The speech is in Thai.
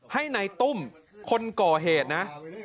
ให้นายตุ้มคนก่อเหตุนะ